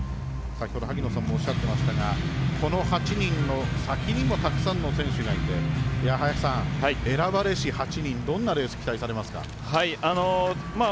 先ほど萩野さんもおっしゃっていましたがこの８人の先にもたくさんの選手がいて林さん、選ばれし８人どんなレースを期待しますか？